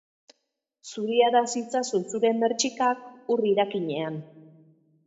Zuriaraz itzazu zure mertxikak ur irakinean.